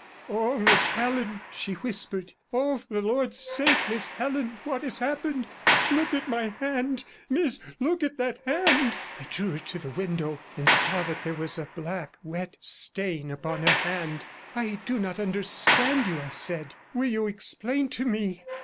'Oh, Miss Helen!' she whispered; 'Oh! for the Lord's sake, Miss Helen, what has happened? Look at my hand, Miss; look at that hand!' I drew her to the window, and saw there was a black wet stain upon her hand. 'I do not understand you,' I said. 'Will you explain to me?'